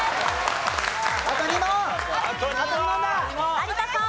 有田さん。